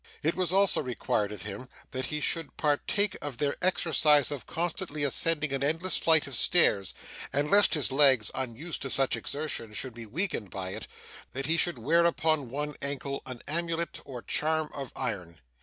It was also required of him that he should partake of their exercise of constantly ascending an endless flight of stairs; and, lest his legs, unused to such exertion, should be weakened by it, that he should wear upon one ankle an amulet or charm of iron.